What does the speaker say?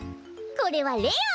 これはレよ！